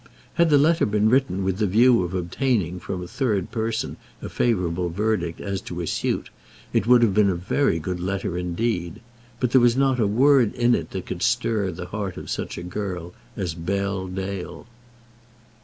Had the letter been written with the view of obtaining from a third person a favourable verdict as to his suit, it would have been a very good letter indeed; but there was not a word in it that could stir the heart of such a girl as Bell Dale.